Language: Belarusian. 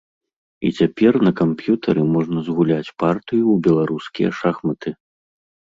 І цяпер на камп'ютары можна згуляць партыю ў беларускія шахматы.